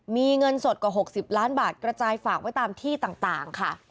มีเงินสดกว่า๖๐ล้านบาทกระจายฝากไว้ตามที่ต่างค่ะ